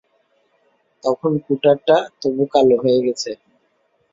তখন কুঠারটা তবু কালো হয়ে গেছে।